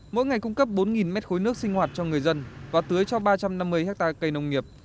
mỗi ngày cung cấp bốn mét khối nước sinh hoạt cho người dân và tưới cho ba trăm năm mươi hectare cây nông nghiệp